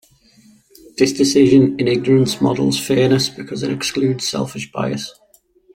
This decision-in-ignorance models fairness because it excludes selfish bias.